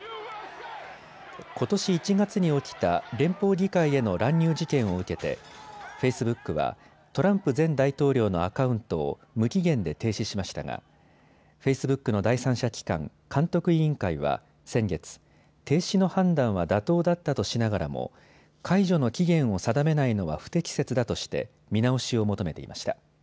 ことし１月に起きた連邦議会への乱入事件を受けてフェイスブックはトランプ前大統領のアカウントを無期限で停止しましたがフェイスブックの第三者機関、監督委員会は先月、停止の判断は妥当だったとしながらも解除の期限を定めないのは不適切だとして見直しを求めていました。